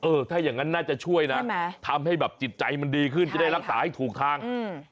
ถ้าอย่างงั้นน่าจะช่วยนะทำให้แบบจิตใจมันดีขึ้นจะได้รักษาให้ถูกทางอืม